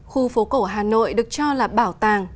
khu phố cổ hà nội được cho là bảo tàng